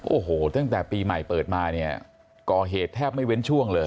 โอ้โหตั้งแต่ปีใหม่เปิดมาเนี่ยก่อเหตุแทบไม่เว้นช่วงเลย